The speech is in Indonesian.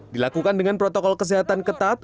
dilakukan dengan protokol kesehatan ketat